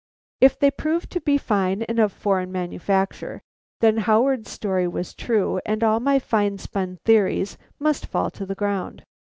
If they proved to be fine and of foreign manufacture, then Howard's story was true and all my fine spun theories must fall to the ground.